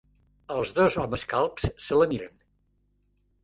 Els dos homes calbs se la miren.